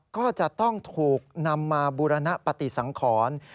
ก็จะต้องถูกนำมาบูรณปฏิสังขร